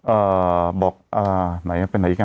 เอ่อบอกอ่าไหนเป็นไหนอีกอ่ะ